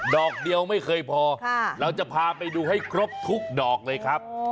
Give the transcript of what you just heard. ดอกเดียวไม่เคยพอเราจะพาไปดูให้ครบทุกดอกเลยครับ